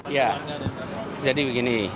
ya jadi begini